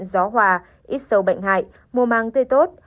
gió hòa ít sâu bệnh hại mùa màng tươi tốt